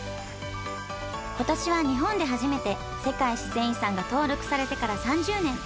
今年は日本で初めて世界自然遺産が登録されてから３０年。